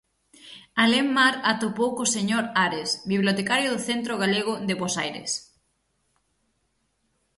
Alén mar atopou co señor Ares, bibliotecario do Centro galego de Bos Aires.